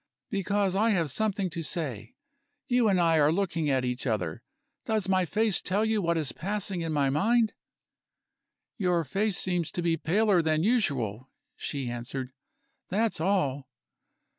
"Because I have something to say. You and I are looking at each other. Does my face tell you what is passing in my mind?" "Your face seems to be paler than usual," she answered "that's all."